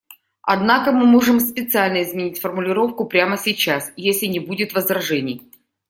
Однако мы можем специально изменить формулировку прямо сейчас, если не будет возражений.